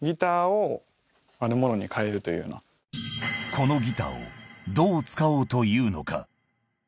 このギターをどう使おうというのか？